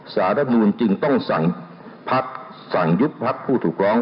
สารรัฐมนุนจึงต้องสั่งยุบพักผู้ถูกร้อง